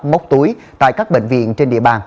móc túi tại các bệnh viện trên địa bàn